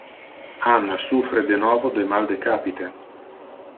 Anna suffre de novo de mal de capite.